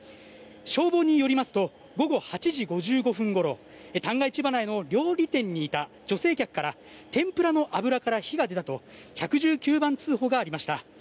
消防によりますと午後８時５５分ごろ旦過市場内の料理店にいた女性客から天ぷらの油から火が出たと１１９番通報がありました。